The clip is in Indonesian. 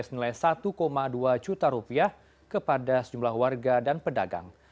harga ini menilai rp satu dua juta kepada sejumlah warga dan pedagang